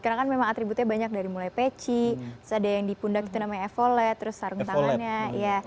karena kan memang atributnya banyak dari mulai peci ada yang dipundak itu namanya efolet terus sarung tangannya